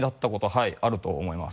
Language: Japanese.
はいあると思います。